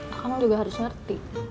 akang juga harus ngerti